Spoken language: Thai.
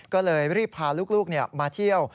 ก็เลยรีบพาลูกมาเที่ยว